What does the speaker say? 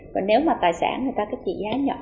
và nếu mà tài sản người ta có trị giá nhỏ